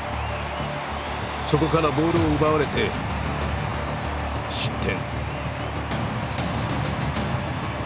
そこからボールを奪われて失点。